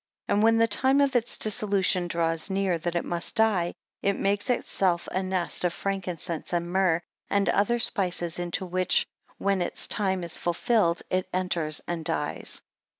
And when the time of its dissolution draws near, that it must die, it makes itself a nest of frankincense, and myrrh, and other spices into which when its time is fulfilled it enters and dies.